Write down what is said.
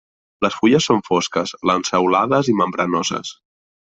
Les fulles són fosques, lanceolades i membranoses.